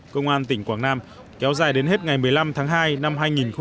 công an tỉnh quảng nam kéo dài đến hết ngày một mươi năm tháng hai năm hai nghìn hai mươi